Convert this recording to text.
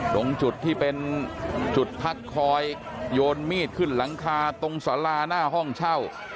ตรงจุดที่เป็นจุดพักคอยโยนมีดขึ้นหลังคาตรงสาราหน้าห้องเช่า